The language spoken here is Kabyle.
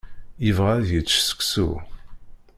Yebɣa ad yečč seksu.